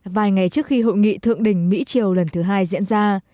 vài ngày trước khi hội nghị thượng đỉnh mỹ triều lần thứ hai diễn ra